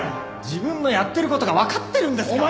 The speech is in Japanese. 自分のやってる事がわかってるんですか！？